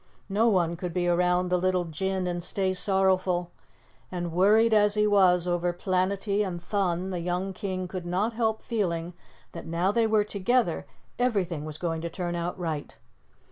No one could be around the little Jinn and stay sorrowful, and worried as he was over Planetty and Thun, the young King could not help feeling that now they were together everything was going to turn out right.